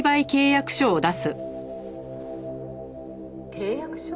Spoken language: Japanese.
契約書？